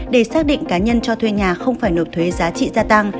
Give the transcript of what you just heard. để xác định cá nhân cho thuê nhà không phải nộp thuế giá trị gia tăng